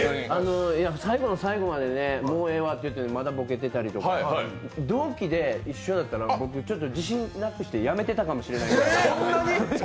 最後の最後までもうええわって言ってもまだボケてたりとか、同期で一緒になったら僕、ちょっと自信なくして辞めてたかもしれない。